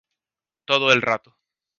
Todo el rato.